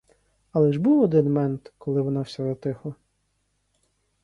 Але ж був один мент, коли вона вся затихла!